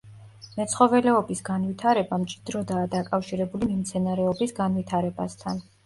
მეცხოველეობის განვითარება მჭიდროდაა დაკავშირებული მემცენარეობის განვითარებასთან.